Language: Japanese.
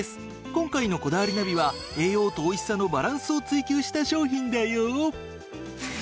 今回の『こだわりナビ』は栄養とおいしさのバランスを追求した商品だよ！